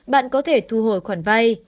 bạn có thể thu hồi khoản vai